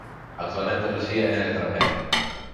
Actualmente reside en el extranjero.